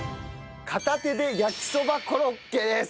片手で焼きそばコロッケです！